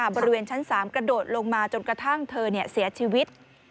บริเวณชั้น๓กระโดดลงมาจนกระทั่งเธอเสียชีวิต